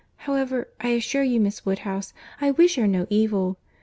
—However, I assure you, Miss Woodhouse, I wish her no evil.